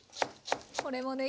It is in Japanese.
これもね